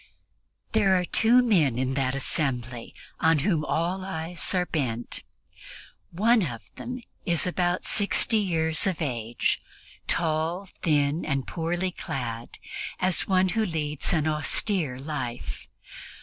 There are two men in that assembly on whom all eyes are bent. One of them is about sixty years of age, tall, thin and poorly clad, as one who leads an austere life.